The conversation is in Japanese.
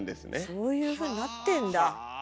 そういうふうになってんだ。